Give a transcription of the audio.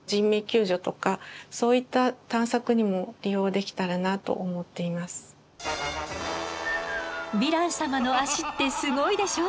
例えばヴィラン様の足ってすごいでしょ！